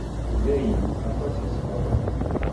Dayen, aṭas i ṣebreɣ.